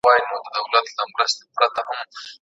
په هند کې ناروغان د درملو خوړل پرېښودل.